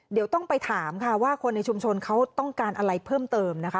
เดี๋ยวต้องไปถามค่ะว่าคนในชุมชนเขาต้องการอะไรเพิ่มเติมนะคะ